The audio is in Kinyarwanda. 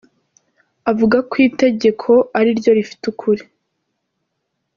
avuga ko itegeko ariryo rifite ukuri.